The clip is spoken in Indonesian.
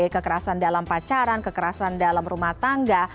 kekerasan dalam pacaran kekerasan dalam rumah tangga